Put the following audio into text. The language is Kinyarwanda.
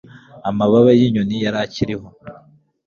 amababa y'inyoni yari akiriho